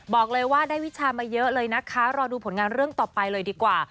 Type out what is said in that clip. บอกเลยว่าได้วิชามาเยอะเลยนะคะรอดูผลงานเรื่องต่อไปเลยดีกว่า